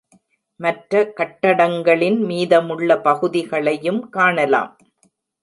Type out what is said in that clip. மற்ற கட்டடங்களின் மீதமுள்ள பகுதிகளையும் காணலாம்.